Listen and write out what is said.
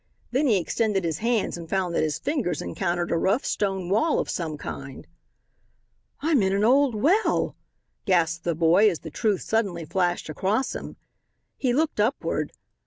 Then he extended his hands and found that his fingers encountered a rough stone wall of some kind. "I'm in an old well," gasped the boy as the truth suddenly flashed across him. He looked upward.